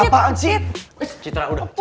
eh cik cid